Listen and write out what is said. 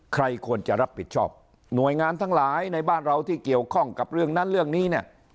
ใครควรจะรับผิดชอบหน่วยงานทั้งหลายในบ้านเราที่เกี่ยวข้องกับเรื่องนั้นเรื่องนี้เนี่ย